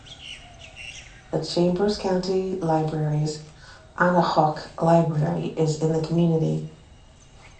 The Chambers County Library's Anahuac Library is in the community.